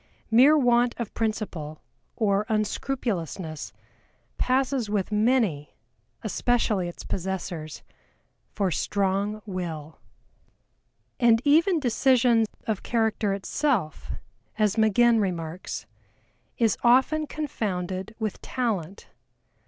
Mere want of principle or unscrupulousness passes with many, especially its possessors, for strong will. And even decision of character itself, as MAGINN remarks, is often confounded with talent.